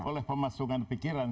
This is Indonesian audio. terdapat pemasukan pikiran